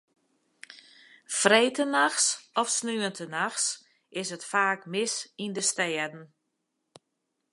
Freedtenachts of saterdeitenachts is it faak mis yn de stêden.